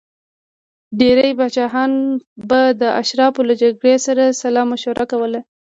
ډېری پاچاهانو به د اشرافو له جرګې سره سلا مشوره کوله.